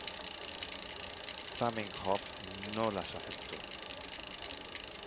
Zamenhof no las aceptó.